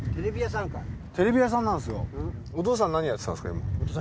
テレビ屋さんなんですよお父さん何やってたんですか？